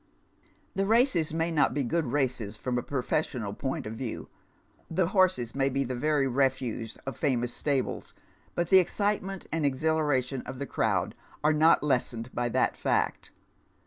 The races may not be good races from a professional point of view,— the horses may be the very refuse of famous stables, but the excitement and exhilaration of the crowd are not lessened by that fact.